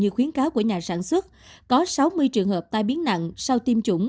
như khuyến cáo của nhà sản xuất có sáu mươi trường hợp tai biến nặng sau tiêm chủng